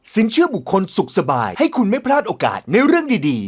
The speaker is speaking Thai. เชื่อบุคคลสุขสบายให้คุณไม่พลาดโอกาสในเรื่องดี